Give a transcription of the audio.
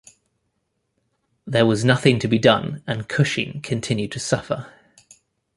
There was nothing to be done and Cushing continued to suffer.